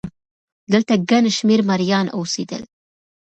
دلته ګڼ شمېر مریان اوسېدل